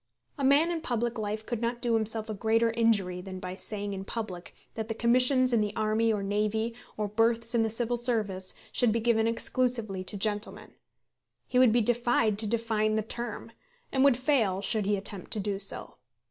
A man in public life could not do himself a greater injury than by saying in public that the commissions in the army or navy, or berths in the Civil Service, should be given exclusively to gentlemen. He would be defied to define the term, and would fail should he attempt to do so.